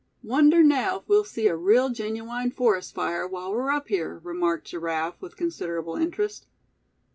"Wonder now if we'll see a real genuine forest fire while we're up here," remarked Giraffe, with considerable interest.